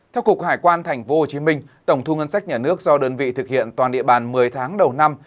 theo cục hải quan thành phố hồ chí minh tổng thu ngân sách nhà nước do đơn vị thực hiện toàn địa bàn một mươi tháng đầu năm